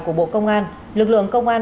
của bộ công an lực lượng công an